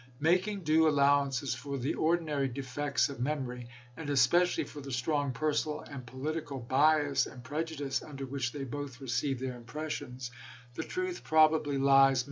Making due allowances for the ordinary defects of memory, and especially for the strong personal and political bias and prejudice under which they both received their impressions, the truth probably lies midway 1 Testimony of John B.